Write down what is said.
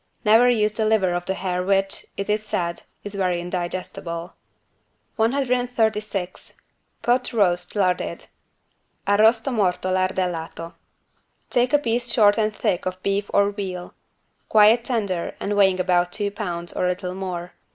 Never use the liver of the hare which, it is said, is very indigestible. 136 POT ROAST LARDED (Arrosto morto lardellato) Take a piece short and thick of beef or veal, quite tender and weighing about two pounds or a little more.